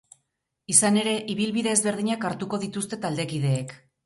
Izan ere, ibilbide ezberdinak hartuko dituzte taldekideek.